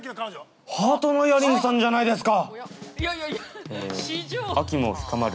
ハートのイヤリングさんじゃないですか。